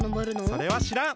それはしらん。